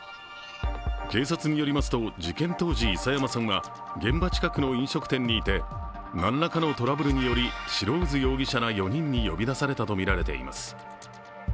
警察によりますと、事件当時諌山さんは現場近くの飲食店にいて何らかのトラブルにより白水容疑者ら４人に呼び出されたということです。